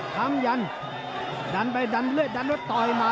ข้ามหยั่นดันไปดันด้วยดันว่าตอยมา